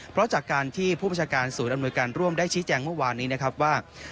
เพราะจากการที่ผู้บัญชาการศูนย์อำนวยการร่วมได้ชี้แจงเมื่อวานนี้นะครับว่า